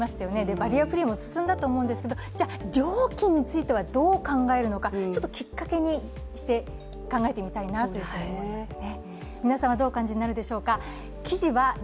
バリアフリーも進んだと思うんですけれども、じゃあ料金についてはどう考えるのかきっかけにして考えてみたいと思いますよね。